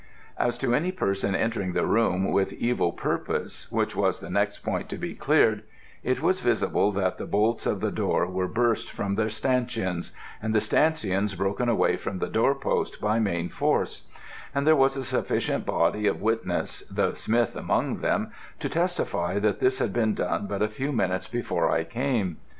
"As to any person entering the room with evil purpose (which was the next point to be cleared), it was visible that the bolts of the door were burst from their stanchions, and the stanchions broken away from the door post by main force; and there was a sufficient body of witness, the smith among them, to testify that this had been done but a few minutes before I came.